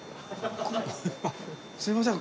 すいません